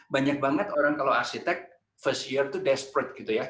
banyak banget orang kalau arsitek tahun pertama itu berdekatan